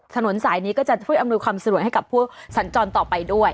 ถนนสายนี้ก็จะช่วยอำนวยความสะดวกให้กับผู้สัญจรต่อไปด้วย